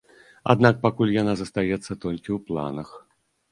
Аднак пакуль яна застаецца толькі ў планах.